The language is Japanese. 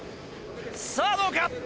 さぁどうか？